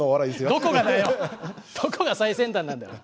どこが最先端なんだよ！